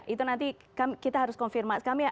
itu nanti kita harus konfirmasi